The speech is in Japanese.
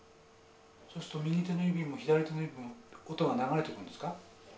そうすると右手の指も左手の指も音が流れてくるんですか？